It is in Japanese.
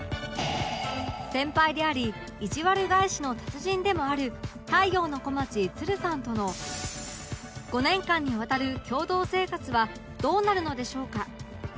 先輩でありいじわる返しの達人でもある太陽の小町つるさんとの５年間にわたる共同生活はどうなるのでしょうか？